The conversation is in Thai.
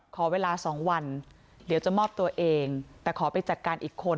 ขอเวลา๒วันเดี๋ยวจะมอบตัวเองแต่ขอไปจัดการอีกคน